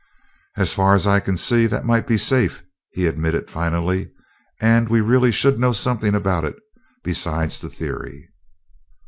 "As far as I can see, that might be safe," he admitted finally, "and we really should know something about it besides the theory."